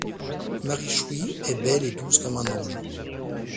Marichuy est belle et douce comme un ange.